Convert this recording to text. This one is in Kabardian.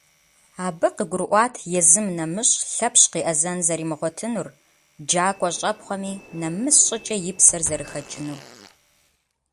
Абы къыгурыӀуат езым нэмыщӀ Лъэпщ къеӀэзэн зэримыгъуэтынур, джакӀуэ щӀэпхъуэми, нэмыс щӀыкӀэ, и псэр зэрыхэкӀынур.